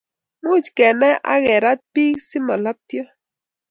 much kenai akerat piik si malaptio